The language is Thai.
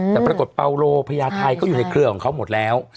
แต่ปรากฏเปาโลพญาไทยก็อยู่ในเครือของเขาหมดแล้ว